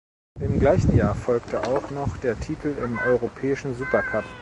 Im gleichen Jahr folgte auch noch der Titel im europäischen Supercup.